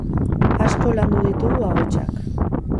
Asko landu ditugu ahotsak.